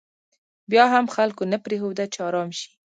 بیا هم خلکو نه پرېښوده چې ارام شي.